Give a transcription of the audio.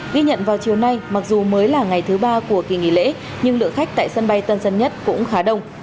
ghi nhận vào chiều nay mặc dù mới là ngày thứ ba của kỳ nghỉ lễ nhưng lượng khách tại sân bay tân dân nhất cũng khá đông